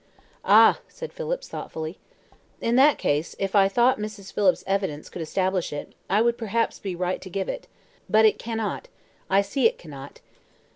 "Ah," said Phillips, thoughtfully, "in that case, if I thought Mrs. Phillips's evidence could establish it, it would perhaps be right to give it; but it cannot I see it cannot.